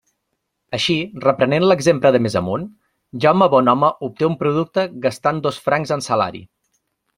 Així, reprenent l'exemple de més amunt, Jaume Bonhome obté un producte gastant dos francs en salari.